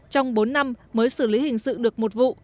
trong bốn năm mới xử lý hình sự được một vụ